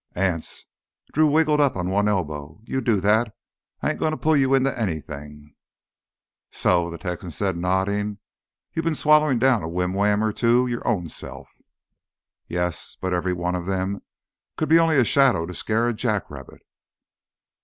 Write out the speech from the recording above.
"Anse"—Drew wriggled up on one elbow—"you do that. I ain't going to pull you into anything—" "So," the Texan said, nodding, "you've been swallowin' down a whim wham or two your ownself?" "Yes, but every one of them could be only a shadow to scare a jackrabbit."